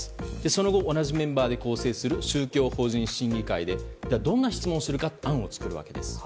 その後同じメンバーなどで構成する宗教法人審議会でどんな質問をするか案を作るわけです。